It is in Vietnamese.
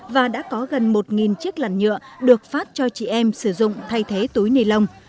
và đã có gần một chiếc làn nhựa được phát cho chị em sử dụng thay thế túi ni lông